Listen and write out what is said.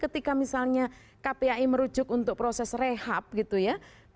ketika misalnya kpai merujuk untuk proses rehab gitu ya